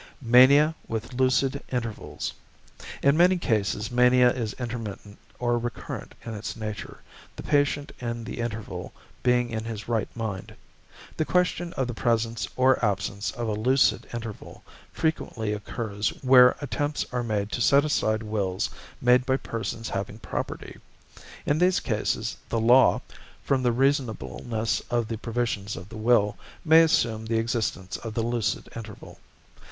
=Mania with Lucid Intervals.= In many cases mania is intermittent or recurrent in its nature, the patient in the interval being in his right mind. The question of the presence or absence of a lucid interval frequently occurs where attempts are made to set aside wills made by persons having property. In these cases the law, from the reasonableness of the provisions of the will, may assume the existence of the lucid interval.